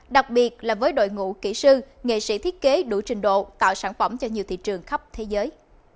đặc biệt là với đội ngũ kỹ sư nghệ sĩ thiết kế đủ trình độ tạo sản phẩm cho nhiều thị trường khắp thế giới